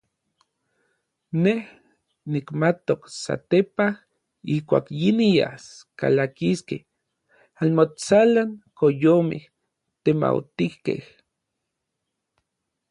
Nej nikmatok satepaj ijkuak yinias kalakiskej anmotsalan koyomej temautijkej.